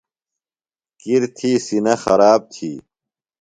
کِر تھی سِینہ خراب تھی۔